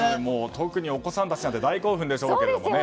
特にお子さんたちなんて大興奮でしょうが。